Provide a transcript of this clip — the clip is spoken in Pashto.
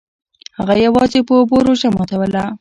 هغه یوازې په اوبو روژه ماتوله.